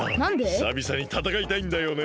ひさびさにたたかいたいんだよね。